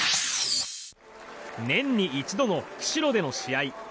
年に一度の釧路での試合。